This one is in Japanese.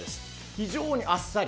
非常にあっさり。